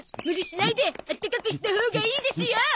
無理しないであったかくしたほうがいいですよ。